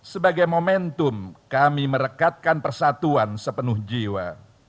sebagai momentum kami merekatkan persatuan sepenuh jiwa